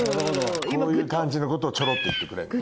こういう感じのことをちょろっと言ってくれるの。